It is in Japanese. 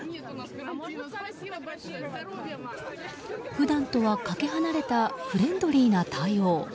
普段とは、かけ離れたフレンドリーな対応。